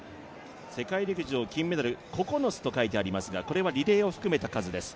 世界陸上金メダル９つと書いてありますがこれはリレーを含めた数です。